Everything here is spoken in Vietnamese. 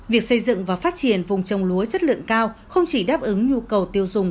việc xây dựng và phát triển vùng trồng lúa chất lượng cao không chỉ đáp ứng nhu cầu tiêu dùng